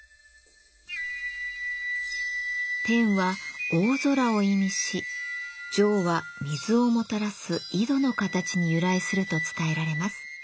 「天」は大空を意味し「井」は水をもたらす井戸の形に由来すると伝えられます。